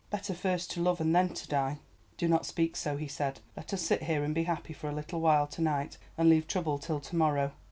Better first to love, and then to die!" "Do not speak so," he said; "let us sit here and be happy for a little while to night, and leave trouble till to morrow."